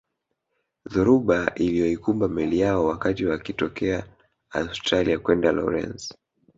Dhoruba iliyoikumba meli yao wakati wakitokea Australia kwenda Lorence